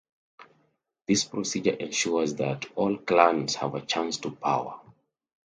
This procedure ensures that all clans have a chance to power.